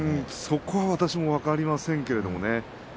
そこは私も分かりませんけどね。